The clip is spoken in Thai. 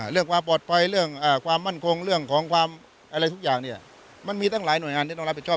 เรื่องความปลอดภัยเรื่องความมั่นคงเรื่องของความอะไรทุกอย่างเนี่ยมันมีตั้งหลายหน่วยงานที่ต้องรับผิดชอบ